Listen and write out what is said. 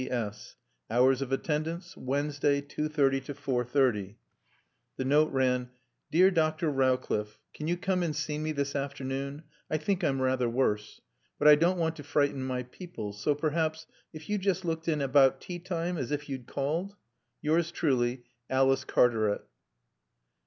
C.S. Hours of Attendance Wednesday, 2.30 4.30. The note ran: "DEAR DR. ROWCLIFFE: Can you come and see me this afternoon? I think I'm rather worse. But I don't want to frighten my people so perhaps, if you just looked in about teatime, as if you'd called? "Yours truly, "ALICE CARTARET."